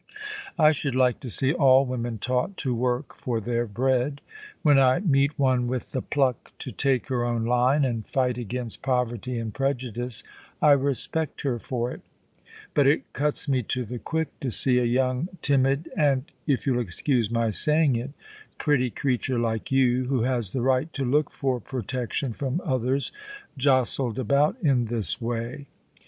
I should like to see all women taught to work for their bread. When I meet one with the pluck to take her own line, and fight against poverty and prejudice, I respect her for it ; but it cuts me to the quick to see a young, timid, and, if you'll excuse my saying it, pretty creature like you, who has the right to look for protection from others, jostled about in this way.